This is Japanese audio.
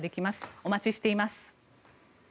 お待ちしています。